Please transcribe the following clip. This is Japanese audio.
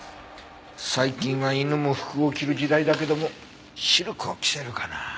最近は犬も服を着る時代だけどもシルクを着せるかな？